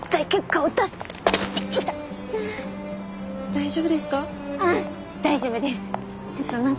大丈夫です。